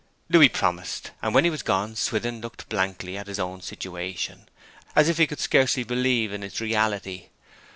Louis promised, and when he was gone Swithin looked blankly at his own situation, as if he could scarcely believe in its reality.